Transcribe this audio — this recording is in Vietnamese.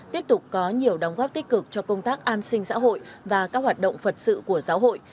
tiếp tục có nhiều đóng góp tích cực cho công tác an sinh xã hội và các hoạt động phật sự của giáo hội